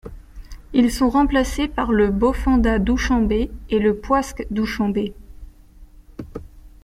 Ils sont remplacés par le Bofanda Douchanbé et le Poisk Douchanbé.